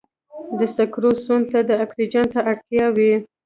د سکرو سون ته د اکسیجن ته اړتیا وي.